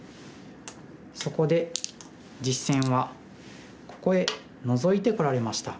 そこで実戦はここへノゾいてこられました。